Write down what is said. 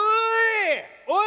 「おい！